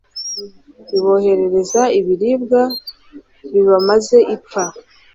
iboherereza ibiribwa bibamaze ipfa